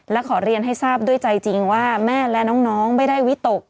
และขอเรียนให้ทราบด้วยใจจริงว่าแม่และน้องไม่ได้วิตก